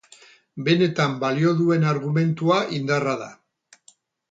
Benetan balio duen argumentua indarra da.